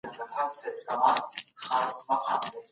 څنګه کولای سو د دوی لپاره د ژوند ښه شرایط برابر کړو؟